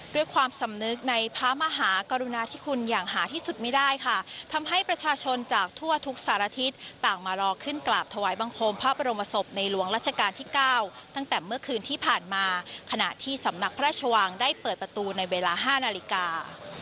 ด้วยความสำนึกในพระมหากรุณาที่คุณอย่างหาที่สุดไม่ได้ค่ะทำให้ประชาชนจากทั่วทุกสารทิศต่างมารอขึ้นกราบถวายบังคมพระบรมศพในหลวงรัชกาลที่๙ตั้งแต่เมื่อคืนที่ผ่านมาขณะที่สำนักพระราชวังได้เปิดประตูในเวลา๕นาฬิกา